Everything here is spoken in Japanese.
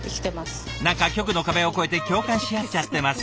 何か局の壁を超えて共感し合っちゃってます。